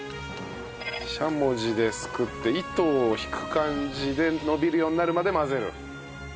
しゃもじですくって糸を引く感じで伸びるようになるまで混ぜる。